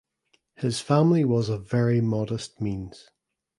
His family was of very modest means.